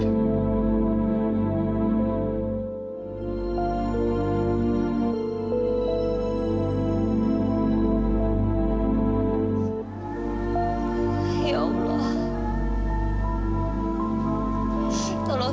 mama dilupakan oleh tuhan